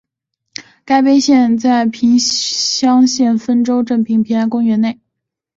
该碑现存平乡县丰州镇平安公园内。